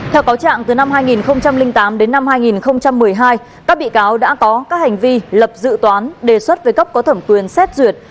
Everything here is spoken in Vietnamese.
theo cáo trạng từ năm hai nghìn tám đến năm hai nghìn một mươi hai các bị cáo đã có các hành vi lập dự toán đề xuất với cấp có thẩm quyền xét duyệt